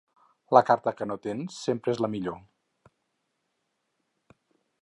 La carta que no tens sempre és la millor.